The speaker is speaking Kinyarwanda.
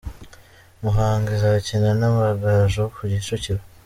Muhanga izakina n’Amagaju ku Kicukiro.